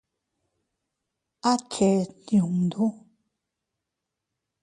¿A cheʼed yundu?